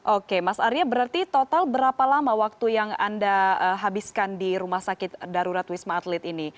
oke mas arya berarti total berapa lama waktu yang anda habiskan di rumah sakit darurat wisma atlet ini